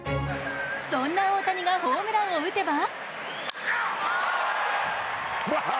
そんな大谷がホームランを打てば。